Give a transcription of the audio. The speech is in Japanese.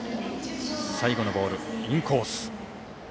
最後のボール、インコース。